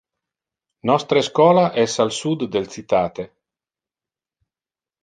Nostre schola es al sud del citate.